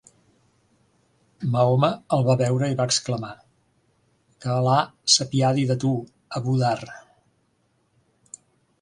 Mahoma el va veure i va exclamar: "Que Al·là s'apiadi de tu, Abu-Dharr!".